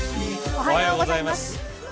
おはようございます。